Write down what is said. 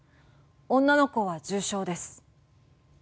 女の子は重傷です。